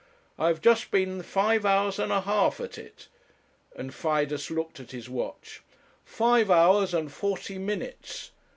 I have just been five hours and a half at it;' and Fidus looked at his watch; 'five hours and forty minutes.